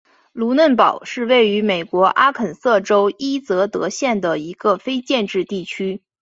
卢嫩堡是位于美国阿肯色州伊泽德县的一个非建制地区。